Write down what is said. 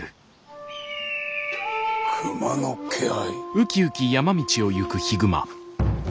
熊の気配？